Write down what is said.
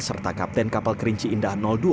serta kapten kapal kerinci indah dua